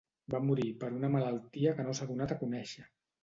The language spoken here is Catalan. Va morir per una malaltia que no s’ha donat a conèixer.